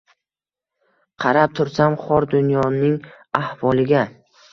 Qarab tursam xor dunyoning ahvoliga